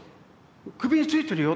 「首についてるよ」って。